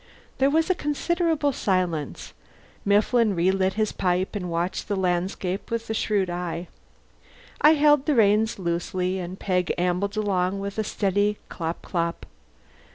There was a considerable silence. Mifflin relit his pipe and watched the landscape with a shrewd eye. I held the reins loosely, and Peg ambled along with a steady clop clop.